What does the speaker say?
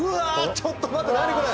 ちょっと待って何これ！